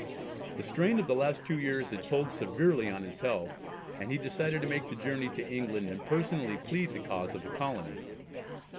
The strain of the last two years had told severely on his health, and he decided to make the journey to England, and personally plead the cause of the colony.